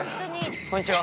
こんにちは。